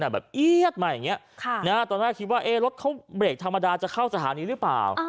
แบบเอี๊ยดมาอย่างนี้ตอนแรกคิดว่ารถเขาเบรกธรรมดาจะเข้าสถานีหรือเปล่า